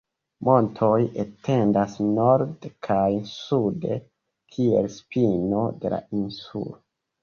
Montoj etendas norde kaj sude kiel spino de la insulo.